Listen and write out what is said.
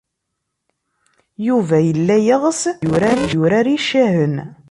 Yuba yella yeɣs ad yurar icahen.